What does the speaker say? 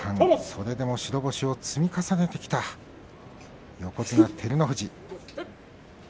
それでも白星を積み重ねてきた横綱照ノ富士。